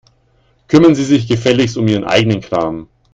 Kümmern Sie sich gefälligst um Ihren eigenen Kram.